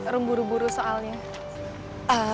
rum buru buru soalnya